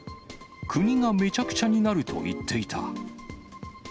国がめちゃくちゃになると言っていた。